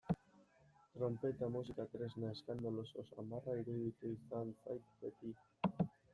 Tronpeta musika tresna eskandaloso samarra iruditu izan zait beti.